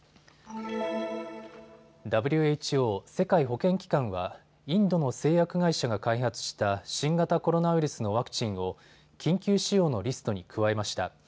ＷＨＯ・世界保健機関はインドの製薬会社が開発した新型コロナウイルスのワクチンを緊急使用のリストに加えました。